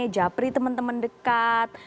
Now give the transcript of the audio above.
japri teman teman dekat